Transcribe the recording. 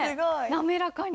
滑らかに。